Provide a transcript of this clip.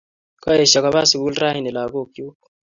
Kasyekopa sukul karon raini lagok chuk.